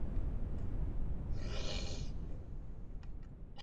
Eguneko azken orduetan, ekaitzak egon litezke.